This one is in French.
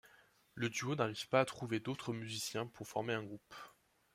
Le duo n'arrive pas à trouver d'autres musiciens pour former un groupe.